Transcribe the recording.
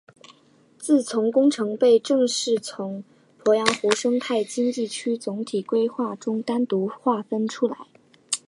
自此工程被正式从鄱阳湖生态经济区总体规划中单独划分出来。